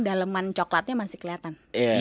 daleman coklatnya masih kelihatan